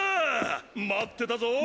待ってたぞォ！